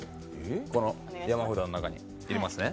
この山札の中に入れますね。